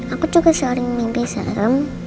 aku juga seorang yang mimpi serem